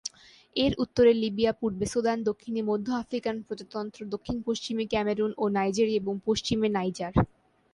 এর উত্তরে লিবিয়া, পূর্বে সুদান, দক্ষিণে মধ্য আফ্রিকান প্রজাতন্ত্র, দক্ষিণ-পশ্চিমে ক্যামেরুন ও নাইজেরিয়া, এবং পশ্চিমে নাইজার।